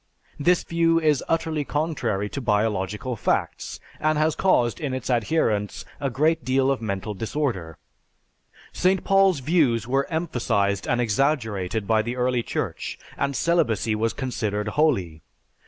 This view is utterly contrary to biological facts, and has caused in its adherents a great deal of mental disorder. St. Paul's views were emphasized and exaggerated by the early Church and celibacy was considered holy.